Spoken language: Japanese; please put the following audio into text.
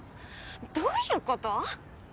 どういうこと！？